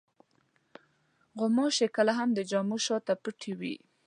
غوماشې کله هم د جامو شاته پټې وي.